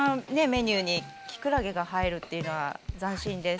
メニューにきくらげが入るっていうのは斬新です。